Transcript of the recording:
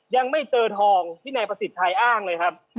ยังไม่เจอทองที่นายประสิทธิ์ชัยอ้างเลยครับ